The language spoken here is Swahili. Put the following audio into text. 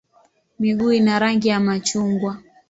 Miguu ina rangi ya machungwa.